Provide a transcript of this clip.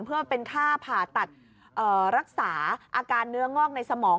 เพื่อเป็นค่าผ่าตัดรักษาอาการเนื้องอกในสมอง